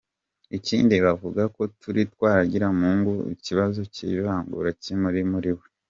Ikindi bavuga kuri Twagiramungu ni ikibazo cy’ivangura kiri muri we.